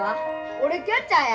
俺キャッチャーや。